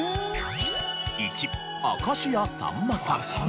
１明石家さんまさん。